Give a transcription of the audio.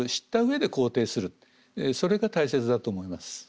それが大切だと思います。